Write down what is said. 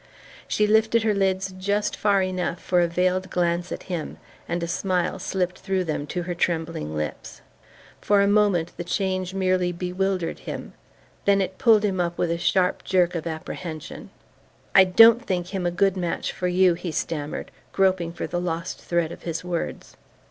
She lifted her lids just far enough for a veiled glance at him, and a smile slipped through them to her trembling lips. For a moment the change merely bewildered him; then it pulled him up with a sharp jerk of apprehension. "I don't think him a good match for you," he stammered, groping for the lost thread of his words.